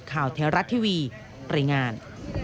ข่าวเทราะทีวีปริงาน